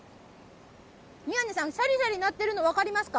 宮根さん、しゃりしゃりなってるの、分かりますか？